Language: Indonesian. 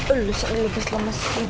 aduh siap lagi selama sedikit